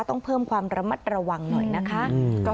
ต้องเพิ่มความระมัดระวังหน่อยนะคะ